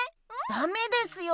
ダメですよ！